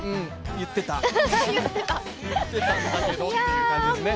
言ってた、言ってたんだけどって感じですね。